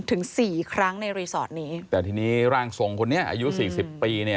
ถึง๔ครั้งในรีสอร์ทนี้แต่ทีนี้ร่างทรงคนนี้อายุ๔๐ปี